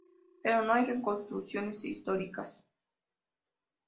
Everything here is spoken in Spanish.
Pero no hay reconstrucciones históricas.